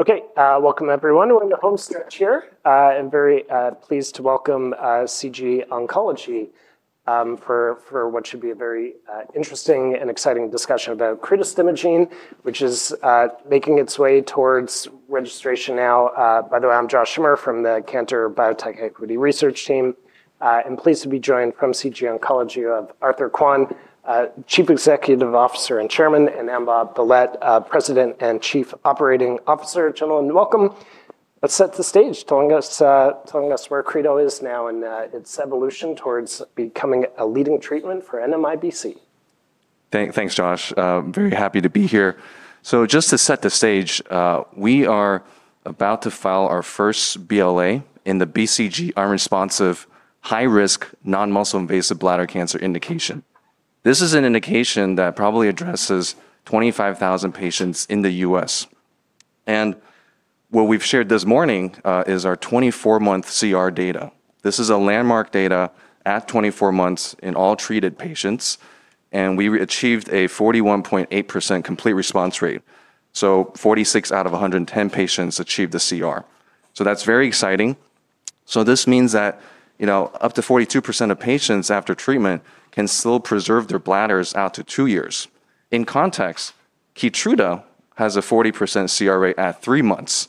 Okay, welcome everyone. We're in the home stretch here. I'm very pleased to welcome CG Oncology for what should be a very interesting and exciting discussion about [cretostimogene grenadenorepvec], which is making its way towards registration now. By the way, I'm Josh Schimmer from the Cantor Biotech Equity Research Team. I'm pleased to be joined from CG Oncology by Arthur Kuan, Chief Executive Officer and Chairman, and Ambaw Bellete, President and Chief Operating Officer. Gentlemen, welcome. Let's set the stage, telling us where CRIDO is now in its evolution towards becoming a leading treatment for NMIBC. Thanks, Josh. Very happy to be here. Just to set the stage, we are about to file our first BLA in the BCG-unresponsive, high-risk, non-muscle invasive bladder cancer indication. This is an indication that probably addresses 25,000 patients in the U.S. What we've shared this morning is our 24-month CR data. This is landmark data at 24 months in all treated patients, and we achieved a 41.8% complete response rate. 46/ 110 patients achieved the CR, which is very exciting. This means that up to 42% of patients after treatment can still preserve their bladders out to two years. In context, Keytruda has a 40% CR rate at three months.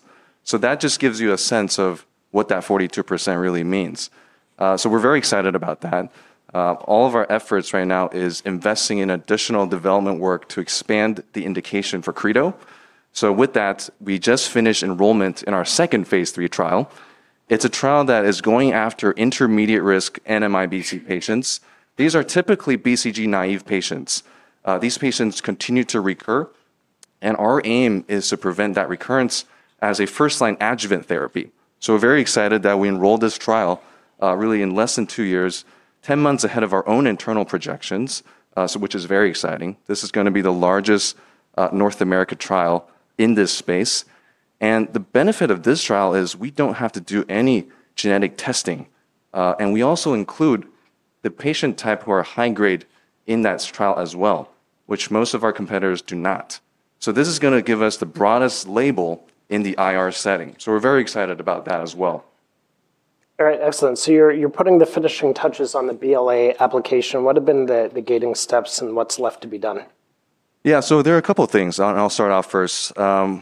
That just gives you a sense of what that 42% really means. We're very excited about that. All of our efforts right now are investing in additional development work to expand the indication for CRIDO. With that, we just finished enrollment in our second phase III trial. It's a trial that is going after intermediate-risk NMIBC patients. These are typically BCG-naive patients. These patients continue to recur, and our aim is to prevent that recurrence as a first-line adjuvant therapy. We're very excited that we enrolled this trial in less than two years, 10 months ahead of our own internal projections, which is very exciting. This is going to be the largest North American trial in this space. The benefit of this trial is we don't have to do any genetic testing, and we also include the patient type who are high grade in that trial as well, which most of our competitors do not. This is going to give us the broadest label in the IR setting. We're very excited about that as well. All right, excellent. You're putting the finishing touches on the BLA application. What have been the gating steps and what's left to be done? Yeah, so there are a couple of things. I'll start off first.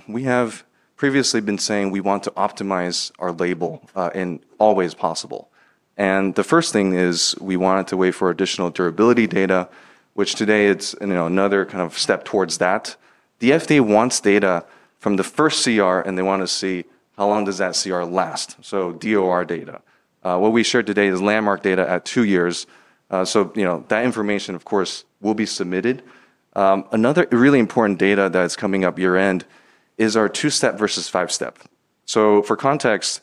We have previously been saying we want to optimize our label in all ways possible. The first thing is we wanted to wait for additional durability data, which today is another kind of step towards that. The FDA wants data from the first CR, and they want to see how long does that CR last. So DOR data. What we shared today is landmark data at two years. That information, of course, will be submitted. Another really important data that's coming up year-end is our two-step versus five-step. For context,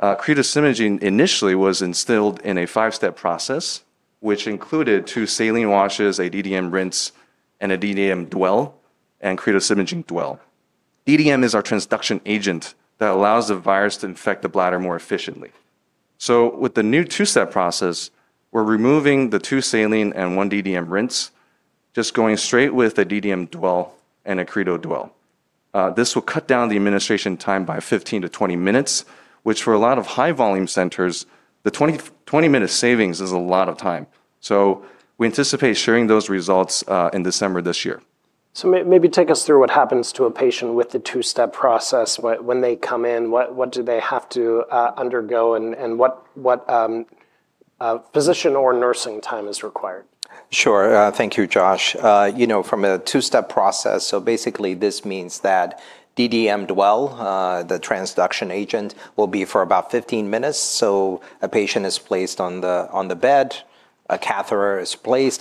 [cretostimogene grenadenorepvec] imaging initially was instilled in a five-step process, which included two saline washes, a DDM rinse, a DDM dwell, and [cretostimogene grenadenorepvec] dwell. DDM is our transduction agent that allows the virus to infect the bladder more efficiently. With the new two-step process, we're removing the two saline and one DDM rinse, just going straight with a DDM dwell and a CRIDO dwell. This will cut down the administration time by 15 - 20 minutes, which for a lot of high-volume centers, the 20-minute savings is a lot of time. We anticipate sharing those results in December this year. Maybe take us through what happens to a patient with the two-step process when they come in. What do they have to undergo, and what physician or nursing time is required? Sure. Thank you, Josh. From a two-step process, this means that DDM dwell, the transduction agent, will be for about 15 minutes. A patient is placed on the bed, a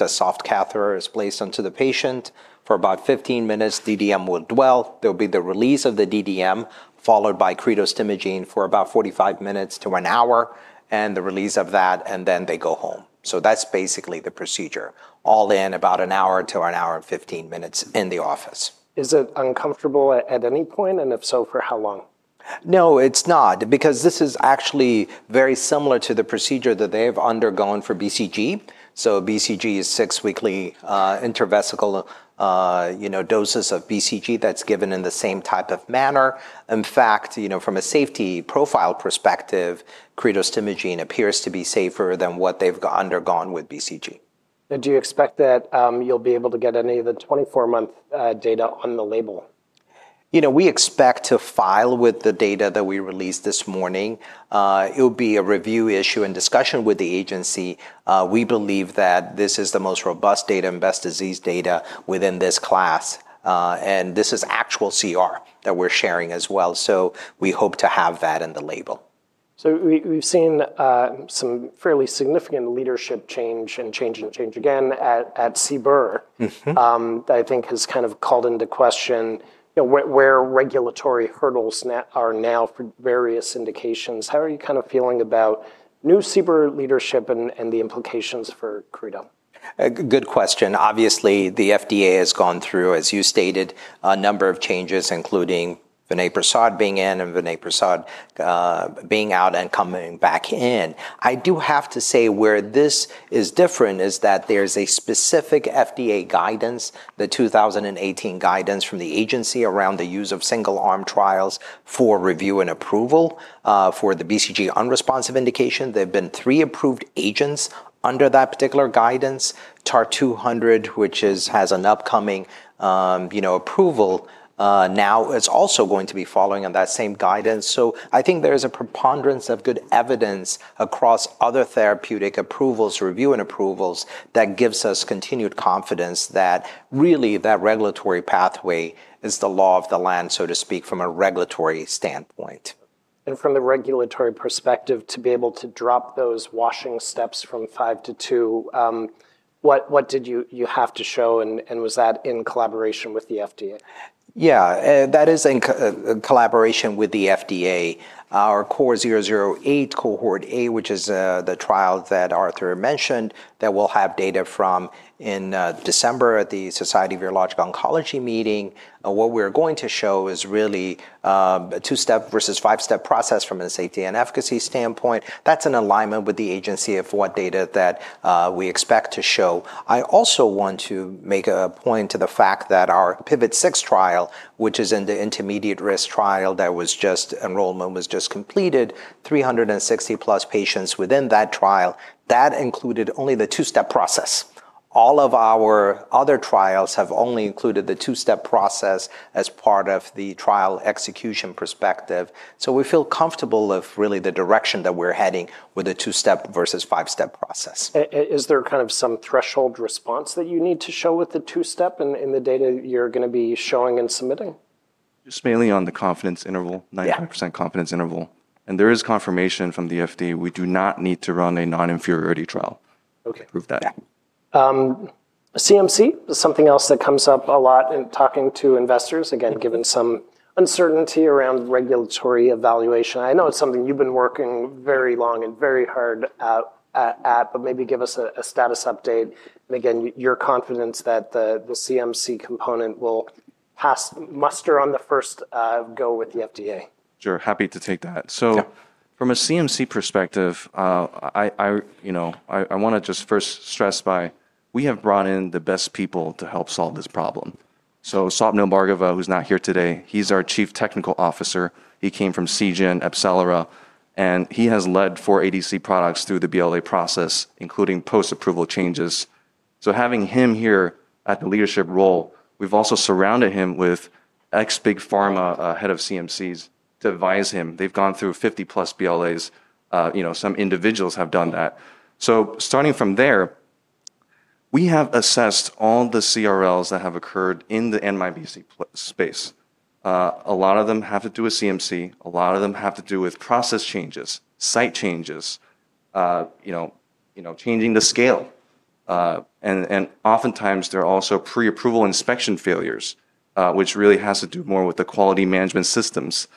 soft catheter is placed onto the patient. For about 15 minutes, DDM will dwell. There will be the release of the DDM followed by CRIDO imaging for about 45 minutes -1 hour, and the release of that, and then they go home. That's basically the procedure, all in about 1 hour -1 .15 hours in the office. Is it uncomfortable at any point, and if so, for how long? No, it's not, because this is actually very similar to the procedure that they have undergone for BCG. BCG is six weekly intravesical doses of BCG that's given in the same type of manner. In fact, from a safety profile perspective, [cretostimogene grenadenorepvec] appears to be safer than what they've undergone with BCG. Do you expect that you'll be able to get any of the 24-month data on the label? We expect to file with the data that we released this morning. It will be a review issue and discussion with the agency. We believe that this is the most robust data and best disease data within this class. This is actual CR that we're sharing as well. We hope to have that in the label. We have seen some fairly significant leadership change and change again at CBER that I think has kind of called into question where regulatory hurdles are now for various indications. How are you kind of feeling about new CBER leadership and the implications for CRIDO? Good question. Obviously, the FDA has gone through, as you stated, a number of changes, including Vinay Prasad being in and Vinay Prasad being out and coming back in. I do have to say where this is different is that there's a specific FDA guidance, the 2018 guidance from the agency around the use of single-arm trials for review and approval for the BCG-unresponsive indication. There have been three approved agents under that particular guidance. TAR-200, which has an upcoming approval now, is also going to be following on that same guidance. I think there is a preponderance of good evidence across other therapeutic approvals, review and approvals that gives us continued confidence that really that regulatory pathway is the law of the land, so to speak, from a regulatory standpoint. From a regulatory perspective, to be able to drop those washing steps from 5-2, what did you have to show, and was that in collaboration with the FDA? Yeah, that is in collaboration with the FDA. Our CORE-008 cohort A, which is the trial that Arthur mentioned, that we'll have data from in December at the Society of Urologic Oncology meeting. What we're going to show is really a two-step versus five-step process from a safety and efficacy standpoint. That's in alignment with the agency of what data that we expect to show. I also want to make a point to the fact that our PIVOT-006 trial, which is in the intermediate-risk trial that enrollment was just completed, 360+ patients within that trial that included only the two-step process. All of our other trials have only included the two-step process as part of the trial execution perspective. We feel comfortable with really the direction that we're heading with the two-step versus five-step process. Is there kind of some threshold response that you need to show with the two-step in the data that you're going to be showing and submitting? It's mainly on the confidence interval, 95% confidence interval. There is confirmation from the FDA we do not need to run a non-inferiority trial to prove that. CMC is something else that comes up a lot in talking to investors, again, given some uncertainty around regulatory evaluation. I know it's something you've been working very long and very hard at, maybe give us a status update. You're confident that the CMC component will pass muster on the first go with the FDA? Sure, happy to take that. From a CMC perspective, I want to just first stress we have brought in the best people to help solve this problem. Swapnil Bhargava, who's not here today, he's our Chief Technical Officer. He came from [Compugen], AbCellera, and he has led four ADC products through the BLA process, including post-approval changes. Having him here in the leadership role, we've also surrounded him with ex-Big Pharma Head of CMCs to advise him. They've gone through 50+ BLAs. Some individuals have done that. Starting from there, we have assessed all the CRLs that have occurred in the NMIBC space. A lot of them have to do with CMC. A lot of them have to do with process changes, site changes, changing the scale. Oftentimes, there are also pre-approval inspection failures, which really has to do more with the quality management systems,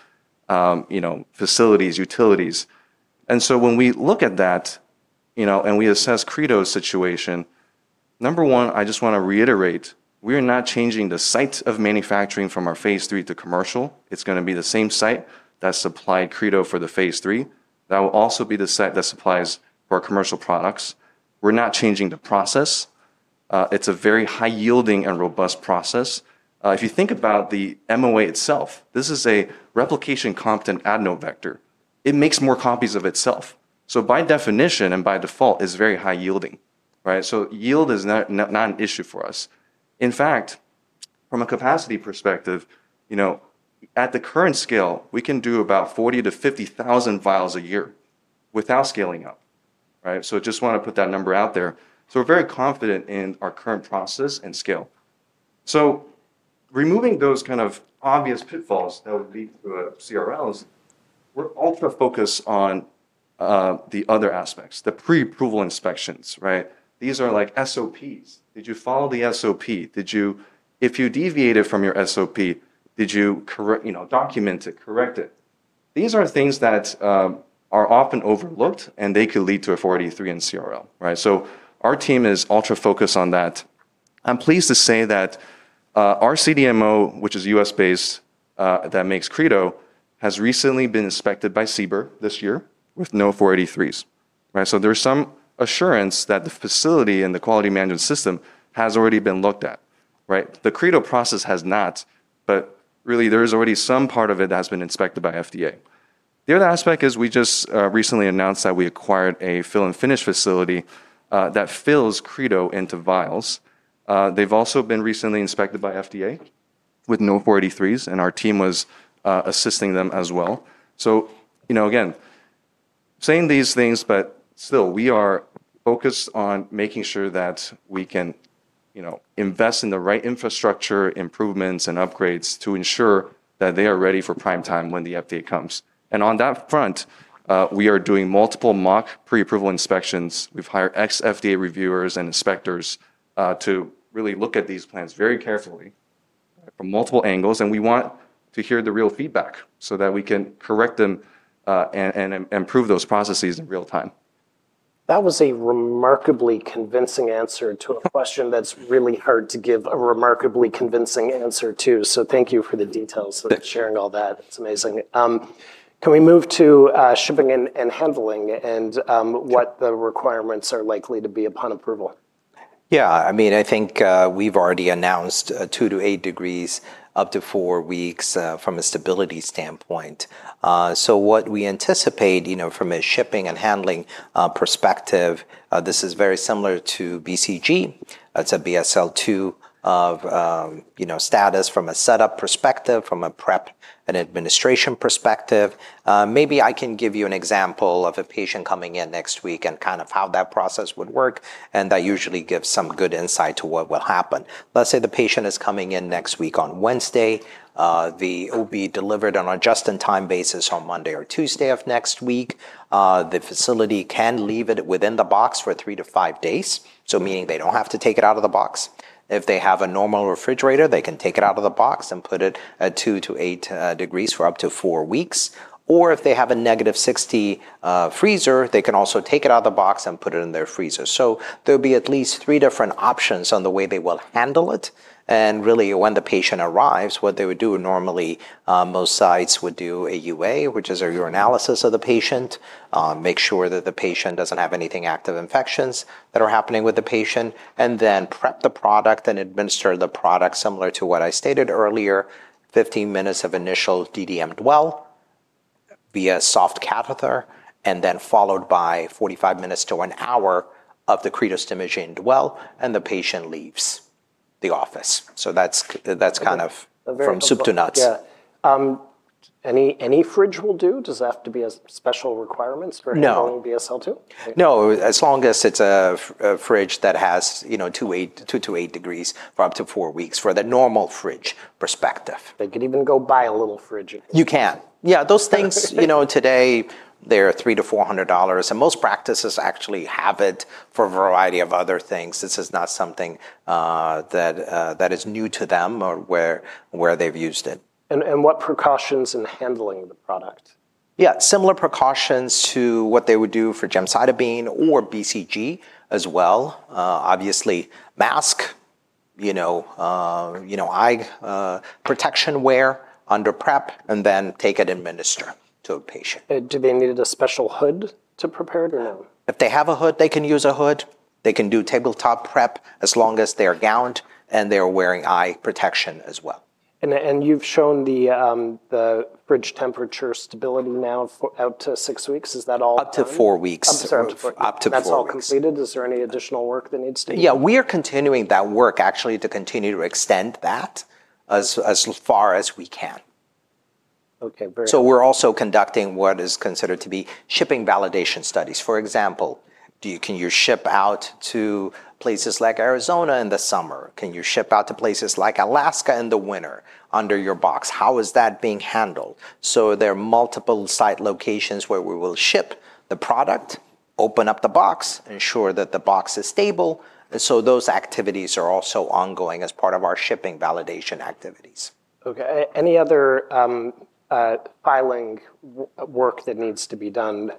facilities, utilities. When we look at that and we assess CRIDO's situation, number one, I just want to reiterate, we are not changing the sites of manufacturing from our phase III to commercial. It's going to be the same site that supplied CRIDO for the phase III. That will also be the site that supplies for our commercial products. We're not changing the process. It's a very high-yielding and robust process. If you think about the MOA itself, this is a replication competent adenovector. It makes more copies of itself. By definition and by default, it's very high-yielding. Yield is not an issue for us. In fact, from a capacity perspective, at the current scale, we can do about 40,000 - 50,000 vials a year without scaling up. I just want to put that number out there. We're very confident in our current process and scale. Removing those kind of obvious pitfalls that would lead to CRLs, we're ultra-focused on the other aspects, the pre-approval inspections. These are like SOPs. Did you follow the SOP? If you deviated from your SOP, did you document it, correct it? These are things that are often overlooked, and they could lead to a [Form 483] in CRL. Our team is ultra-focused on that. I'm pleased to say that our CDMO, which is U.S.-based, that makes CRIDO, has recently been inspected by CBER this year with no [Form 483s]. There's some assurance that the facility and the quality management system has already been looked at. The CRIDO process has not, but really, there's already some part of it that has been inspected by FDA. The other aspect is we just recently announced that we acquired a fill and finish facility that fills CRIDO into vials. They have also been recently inspected by the FDA with no [Form 483s], and our team was assisting them as well. We are focused on making sure that we can invest in the right infrastructure improvements and upgrades to ensure that they are ready for prime time when the update comes. On that front, we are doing multiple mock pre-approval inspections. We have hired ex-FDA reviewers and inspectors to really look at these plans very carefully from multiple angles, and we want to hear the real feedback so that we can correct them and improve those processes in real time. That was a remarkably convincing answer to a question that's really hard to give a remarkably convincing answer to. Thank you for the details of sharing all that. It's amazing. Can we move to shipping and handling and what the requirements are likely to be upon approval? Yeah, I mean, I think we've already announced 2 - 8 degrees up to 4 weeks from a stability standpoint. What we anticipate from a shipping and handling perspective, this is very similar to BCG. It's a BSL-2 status from a setup perspective, from a prep and administration perspective. Maybe I can give you an example of a patient coming in next week and kind of how that process would work, and that usually gives some good insight to what will happen. Let's say the patient is coming in next week on Wednesday. They will be delivered on a just-in-time basis on Monday or Tuesday of next week. The facility can leave it within the box for 3 - 5 days, meaning they don't have to take it out of the box. If they have a normal refrigerator, they can take it out of the box and put it at 2 - 8 degrees for up to 4 weeks. If they have a - 60 freezer, they can also take it out of the box and put it in their freezer. There will be at least 3 different options on the way they will handle it. Really, when the patient arrives, what they would do normally, most sites would do a UA, which is a urinalysis of the patient, make sure that the patient doesn't have any active infections that are happening with the patient, and then prep the product and administer the product similar to what I stated earlier, 15 minutes of initial DDM dwell via soft catheter, followed by 45 minutes -1 hour of the CRIDO imaging dwell, and the patient leaves the office. That's kind of from soup to nuts. Any fridge will do? Does it have to be a special requirement for a normal BSL-2? No, as long as it's a fridge that has 2 - 8 degrees for up to 4 weeks for the normal fridge perspective. They can even go buy a little fridge. You can. Yeah, those things, you know, today, they're $300 - $400, and most practices actually have it for a variety of other things. This is not something that is new to them or where they've used it. What precautions in handling the product? Yeah, similar precautions to what they would do for gemcitabine or BCG as well. Obviously, mask, eye protection, wear under prep, and then take it and administer to a patient. Do they need a special hood to prepare it? If they have a hood, they can use a hood. They can do tabletop prep as long as they're gowned and they're wearing eye protection as well. You've shown the fridge temperature stability now out to six weeks. Is that all? Up to four weeks. Up to four weeks. That's all completed. Is there any additional work that needs to be? Yeah, we are continuing that work to continue to extend that as far as we can. We are also conducting what is considered to be shipping validation studies. For example, can you ship out to places like Arizona in the summer? Can you ship out to places like Alaska in the winter under your box? How is that being handled? There are multiple site locations where we will ship the product, open up the box, ensure that the box is stable. Those activities are also ongoing as part of our shipping validation activities. Okay, any other filing work that needs to be done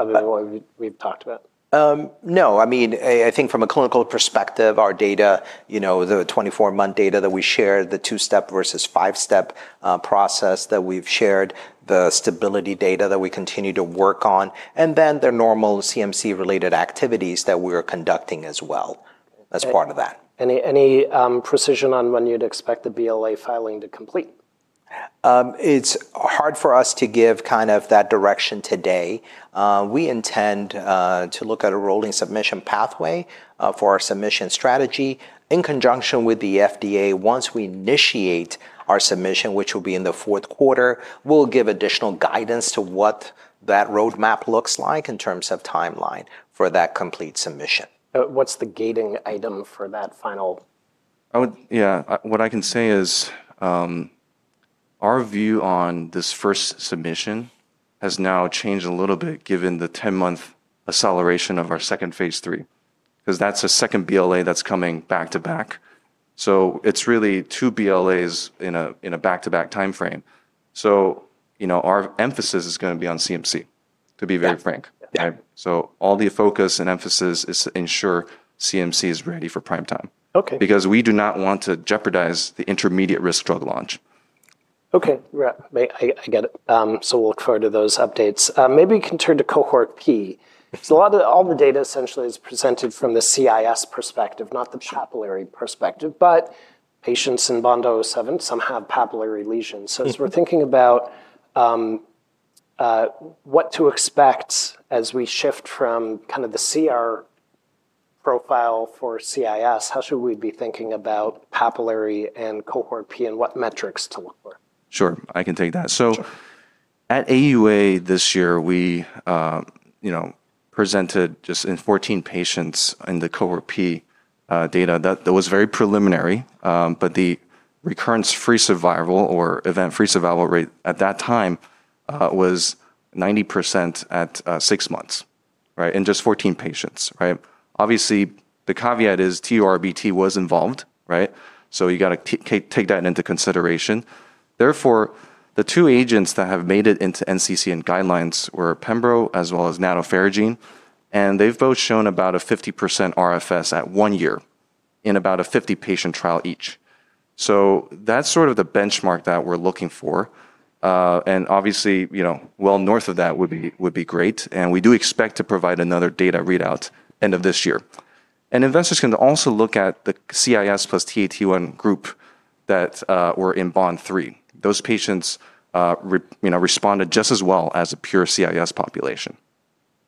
other than what we've talked about? No, I mean, I think from a clinical perspective, our data, you know, the 24-month data that we shared, the two-step versus five-step process that we've shared, the stability data that we continue to work on, and then the normal CMC-related activities that we are conducting as well as part of that. Any precision on when you'd expect the BLA filing to complete? It's hard for us to give kind of that direction today. We intend to look at a rolling submission pathway for our submission strategy in conjunction with the FDA. Once we initiate our submission, which will be in the fourth quarter, we'll give additional guidance to what that roadmap looks like in terms of timeline for that complete submission. What's the gating item for that final? Yeah, what I can say is our view on this first submission has now changed a little bit given the 10-month acceleration of our second phase III, because that's a second BLA that's coming back to back. It's really two BLAs in a back-to-back timeframe. Our emphasis is going to be on CMC, to be very frank. All the focus and emphasis is to ensure CMC is ready for prime time. Okay. Because we do not want to jeopardize the intermediate-risk drug launch. Okay, right. I get it. We'll look forward to those updates. Maybe we can turn to cohort P. All the data essentially is presented from the CIS perspective, not the papillary perspective, but patients in [BOND-003], some have papillary lesions. As we're thinking about what to expect as we shift from kind of the CR profile for CIS, how should we be thinking about papillary and cohort P and what metrics to look for? Sure, I can take that. At AUA this year, we presented just in 14 patients in the cohort P data that was very preliminary, but the recurrence-free survival or event-free survival rate at that time was 90% at six months, right? In just 14 patients, right? Obviously, the caveat is TURBT was involved, right? You have to take that into consideration. Therefore, the two agents that have made it into NCCN guidelines were [pembrolizumab] as well as [nadofaragene firadenovec], and they've both shown about a 50% RFS at one year in about a 50-patient trial each. That is sort of the benchmark that we're looking for. Obviously, you know, well north of that would be great. We do expect to provide another data readout end of this year. Investors can also look at the CIS plus TAT1 group that were in BOND-003. Those patients responded just as well as a pure CIS population.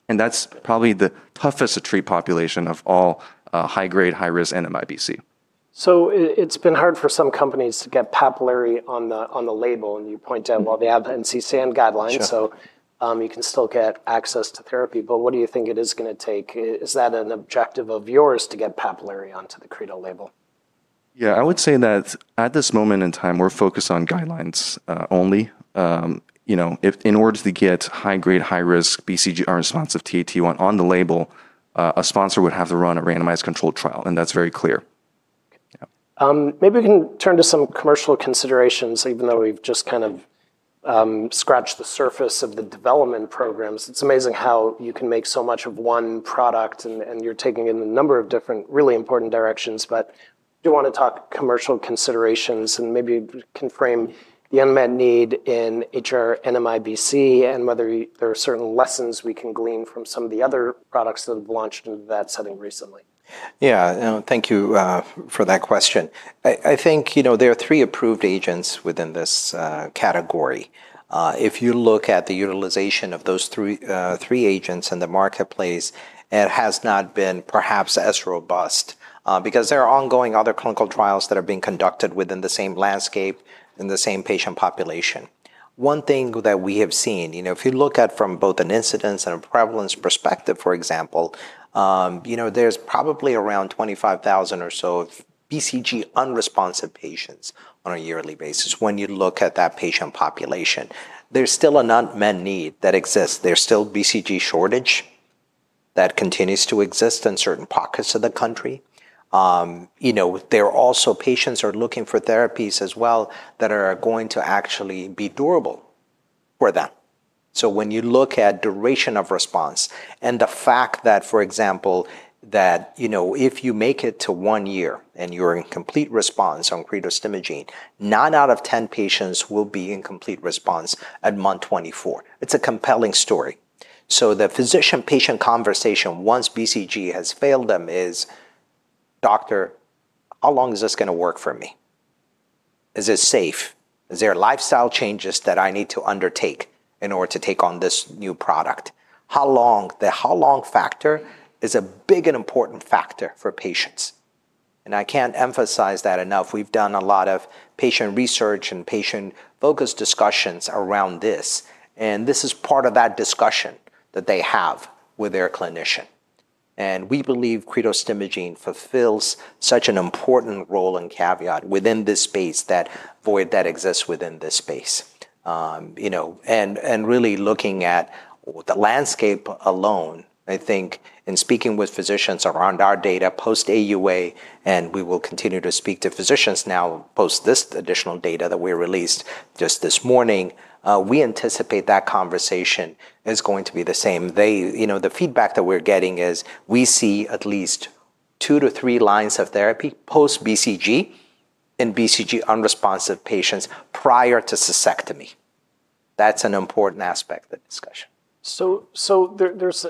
That is probably the toughest to treat population of all high-grade, high-risk NMIBC. It has been hard for some companies to get papillary on the label, and you pointed out all the NCCN guidelines. You can still get access to therapy, but what do you think it is going to take? Is that an objective of yours to get papillary onto the CRIDO label? Yeah, I would say that at this moment in time, we're focused on guidelines only. You know, if in order to get high-grade, high-risk BCG-unresponsive TAT1 on the label, a sponsor would have to run a randomized controlled trial, and that's very clear. Maybe we can turn to some commercial considerations, even though we've just kind of scratched the surface of the development programs. It's amazing how you can make so much of one product, and you're taking a number of different really important directions. I do want to talk commercial considerations, and maybe you can frame the unmet need in HR NMIBC and whether there are certain lessons we can glean from some of the other products that have launched into that setting recently. Thank you for that question. I think there are three approved agents within this category. If you look at the utilization of those three agents in the marketplace, it has not been perhaps as robust because there are ongoing other clinical trials that are being conducted within the same landscape in the same patient population. One thing that we have seen, if you look at it from both an incidence and a prevalence perspective, for example, there's probably around 25,000 or so BCG-unresponsive patients on a yearly basis. When you look at that patient population, there's still an unmet need that exists. There's still BCG shortage that continues to exist in certain pockets of the country. There are also patients who are looking for therapies as well that are going to actually be durable for them. When you look at duration of response and the fact that, for example, if you make it to one year and you're in complete response on CRIDO's imaging, 9/10 patients will be in complete response at month 24. It's a compelling story. The physician-patient conversation once BCG has failed them is, "Doctor, how long is this going to work for me? Is this safe? Is there lifestyle changes that I need to undertake in order to take on this new product?" The how long factor is a big and important factor for patients. I can't emphasize that enough. We've done a lot of patient research and patient-focused discussions around this. This is part of that discussion that they have with their clinician. We believe CRIDO's imaging fulfills such an important role and caveat within this space that exists within this space. Really looking at the landscape alone, I think, and speaking with physicians around our data post-AUA, and we will continue to speak to physicians now post this additional data that we released just this morning, we anticipate that conversation is going to be the same. The feedback that we're getting is we see at least two to three lines of therapy post-BCG in BCG-unresponsive patients prior to cystectomy. That's an important aspect of the discussion. There's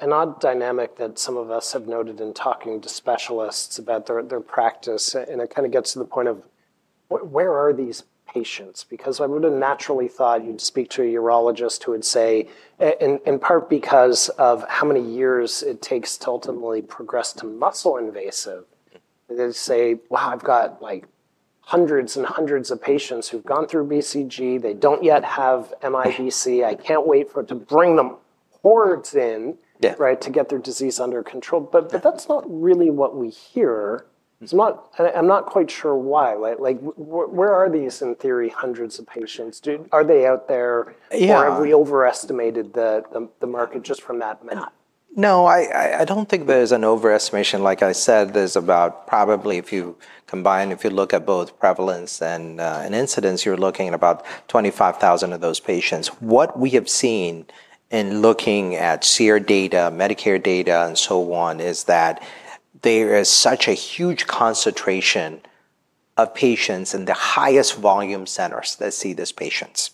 an odd dynamic that some of us have noted in talking to specialists about their practice, and it kind of gets to the point of where are these patients? I would have naturally thought you'd speak to a urologist who would say, in part because of how many years it takes to ultimately progress to muscle invasive, they say, "Wow, I've got like hundreds and hundreds of patients who've gone through BCG. They don't yet have MIBC. I can't wait for it to bring the hordes in, right, to get their disease under control." That's not really what we hear. I'm not quite sure why. Where are these, in theory, hundreds of patients? Are they out there? Have we overestimated the market just from that? No, I don't think there's an overestimation. Like I said, there's about probably, if you combine, if you look at both prevalence and incidence, you're looking at about 25,000 of those patients. What we have seen in looking at SEER data, Medicare data, and so on, is that there is such a huge concentration of patients in the highest volume centers that see these patients.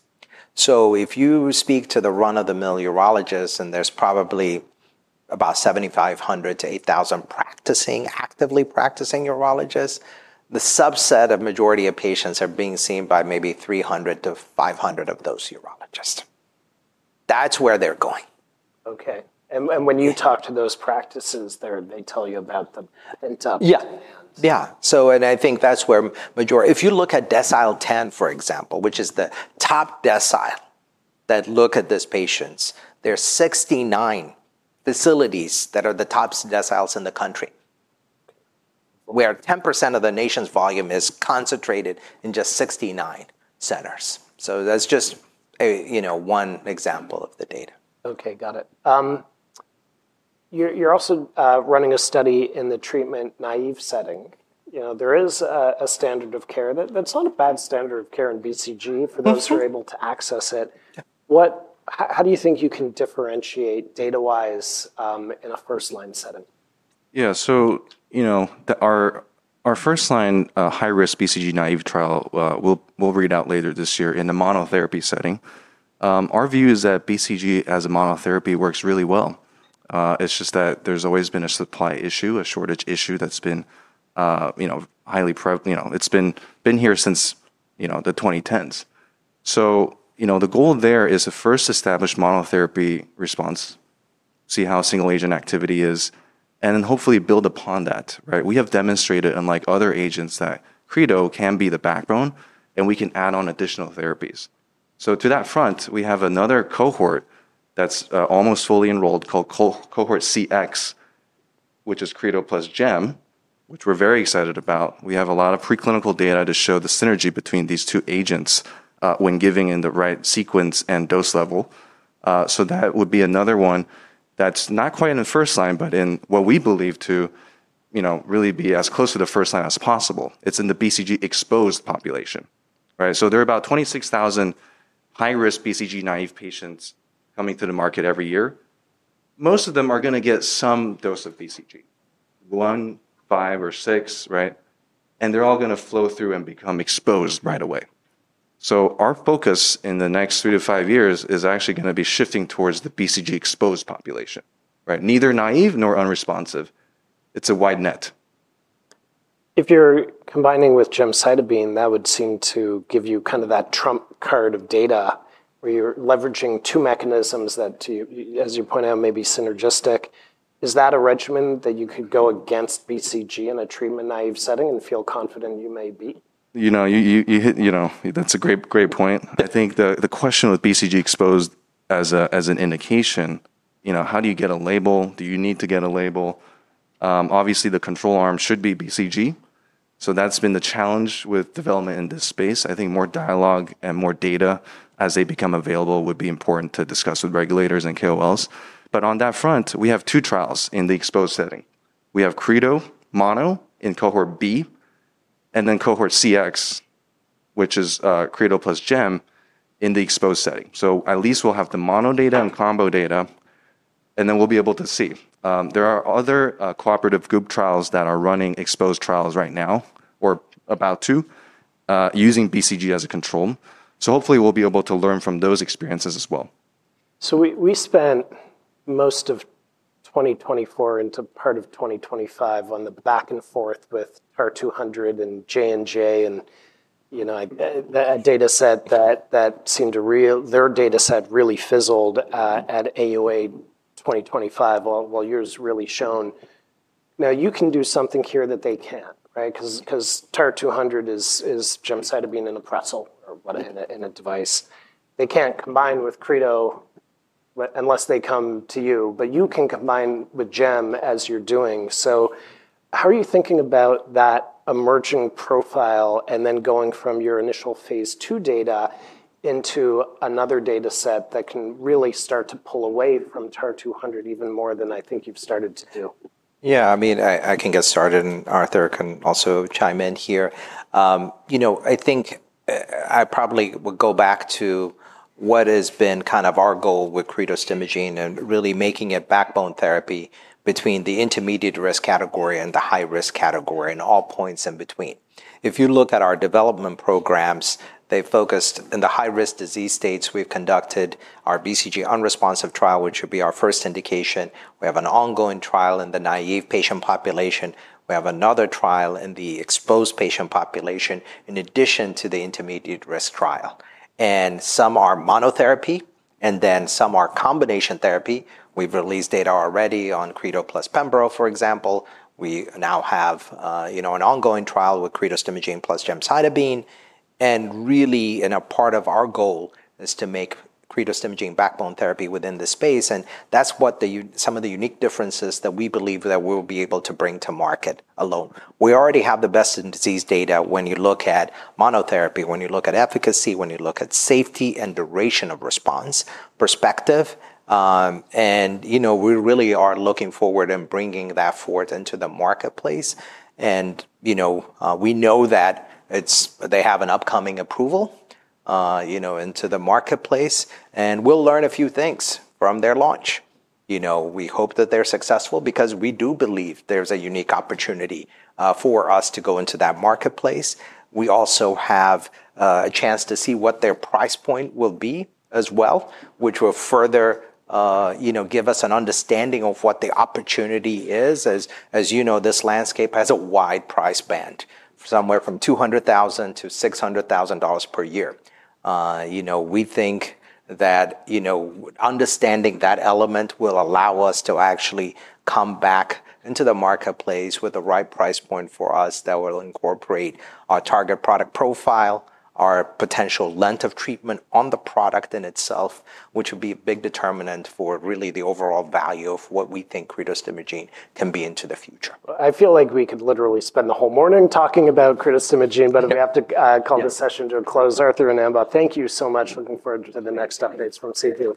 If you speak to the run-of-the-mill urologists, and there's probably about 7,500 - 8,000 actively practicing urologists, the subset of the majority of patients are being seen by maybe 300 - 500 of those urologists. That's where they're going. Okay. When you talk to those practices, they tell you about them. Yeah. I think that's where the majority, if you look at decile 10, for example, which is the top decile that look at these patients, there are 69 facilities that are the top deciles in the country, where 10% of the nation's volume is concentrated in just 69 centers. That's just, you know, one example of the data. Okay, got it. You're also running a study in the treatment-naive setting. You know, there is a standard of care that's not a bad standard of care in BCG for those who are able to access it. How do you think you can differentiate data-wise in a first-line setting? Yeah, our first-line high-risk BCG-naive trial will read out later this year in the monotherapy setting. Our view is that BCG as a monotherapy works really well. It's just that there's always been a supply issue, a shortage issue that's been here since the 2010s. The goal there is to first establish monotherapy response, see how single-agent activity is, and then hopefully build upon that. Right? We have demonstrated, unlike other agents, that CRIDO can be the backbone, and we can add on additional therapies. To that front, we have another cohort that's almost fully enrolled called Cohort CX, which is CRIDO plus [gemcitabine], which we're very excited about. We have a lot of preclinical data to show the synergy between these two agents when given in the right sequence and dose level. That would be another one that's not quite in the first line, but in what we believe to really be as close to the first line as possible. It's in the BCG-exposed population. There are about 26,000 high-risk BCG-naive patients coming to the market every year. Most of them are going to get some dose of BCG, one, five or six, right? They're all going to flow through and become exposed right away. Our focus in the next 3-5 years is actually going to be shifting towards the BCG-exposed population, right? Neither naive nor unresponsive. It's a wide net. If you're combining with gemcitabine, that would seem to give you kind of that trump card of data, where you're leveraging two mechanisms that, as you point out, may be synergistic. Is that a regimen that you could go against BCG in a treatment-naive setting and feel confident you may be? That's a great, great point. I think the question with BCG-exposed as an indication is, how do you get a label? Do you need to get a label? Obviously, the control arm should be BCG. That has been the challenge with development in this space. I think more dialogue and more data as they become available would be important to discuss with regulators and KOLs. On that front, we have two trials in the exposed setting. We have [CRIDO Monotherapy] in Cohort B and then Cohort CX, which is CRIDO plus [gemcitabine] in the exposed setting. At least we'll have the mono data and combo data, and then we'll be able to see. There are other cooperative group trials that are running exposed trials right now or about to, using BCG as a control. Hopefully, we'll be able to learn from those experiences as well. We spent most of 2024 into part of 2025 on the back and forth with TAR-200 and [Johnson & Johnson], and a data set that seemed to really, their data set really fizzled at AUA 2025 while yours really shone. Now you can do something here that they can't, right? Because TAR-200 is gemcitabine and a pretzel, in a device. They can't combine with CRIDO unless they come to you, but you can combine with GEM as you're doing. How are you thinking about that emerging profile and then going from your initial phase II data into another data set that can really start to pull away from TAR-200 even more than I think you've started to do? Yeah, I mean, I can get started and Arthur can also chime in here. I think I probably would go back to what has been kind of our goal with [cretostimogene grenadenorepvec] and really making it backbone therapy between the intermediate-risk category and the high-risk category and all points in between. If you look at our development programs, they focused in the high-risk disease states. We've conducted our BCG-unresponsive trial, which would be our first indication. We have an ongoing trial in the BCG-naive patient population. We have another trial in the BCG-exposed patient population in addition to the intermediate-risk trial. Some are monotherapy and then some are combination therapy. We've released data already on CRIDO plus [pembrolizumab], for example. We now have an ongoing trial with [cretostimogene grenadenorepvec] plus gemcitabine. A part of our goal is to make [cretostimogene grenadenorepvec] backbone therapy within this space. That's what some of the unique differences are that we believe we'll be able to bring to market alone. We already have the best-in-disease data when you look at monotherapy, when you look at efficacy, when you look at safety and duration of response perspective. We really are looking forward to bringing that forth into the marketplace. We know that they have an upcoming approval into the marketplace. We'll learn a few things from their launch. We hope that they're successful because we do believe there's a unique opportunity for us to go into that marketplace. We also have a chance to see what their price point will be as well, which will further give us an understanding of what the opportunity is. As you know, this landscape has a wide price band, somewhere from $200,000 - $600,000 per year. We think that understanding that element will allow us to actually come back into the marketplace with the right price point for us that will incorporate our target product profile, our potential length of treatment on the product in itself, which would be a big determinant for really the overall value of what we think [cretostimogene grenadenorepvec] can be into the future. I feel like we could literally spend the whole morning talking about [cretostimogene grenadenorepvec], but we have to call this session to a close. Arthur and Ambaw, thank you so much. Looking forward to the next updates from CG Oncology.